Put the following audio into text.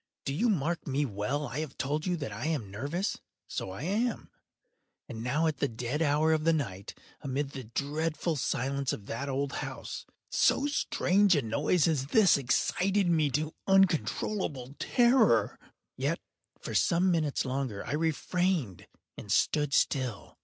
—do you mark me well? I have told you that I am nervous: so I am. And now at the dead hour of the night, amid the dreadful silence of that old house, so strange a noise as this excited me to uncontrollable terror. Yet, for some minutes longer I refrained and stood still.